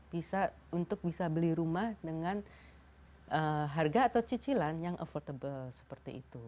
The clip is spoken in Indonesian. bisa untuk bisa beli rumah dengan harga atau cicilan yang affortable seperti itu